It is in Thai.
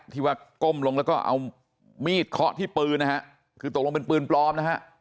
ที่ว่าก้มลงแล้วก็เอามีดเคาะที่ปืนนะฮะคือตกลงเป็นปืนปลอมนะฮะ